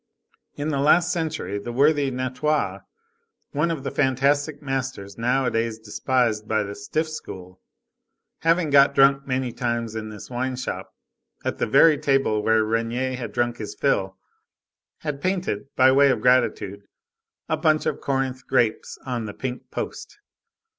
In the last century, the worthy Natoire, one of the fantastic masters nowadays despised by the stiff school, having got drunk many times in this wine shop at the very table where Regnier had drunk his fill, had painted, by way of gratitude, a bunch of Corinth grapes on the pink post.